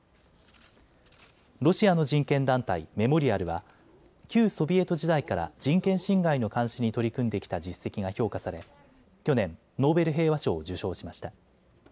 ロシアの人権団体、メモリアルは旧ソビエト時代から人権侵害の監視に取り組んできた実績が評価され去年、ノーベル平和賞を受賞しました。